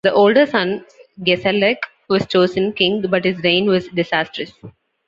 The older son, Gesalec, was chosen king but his reign was disastrous.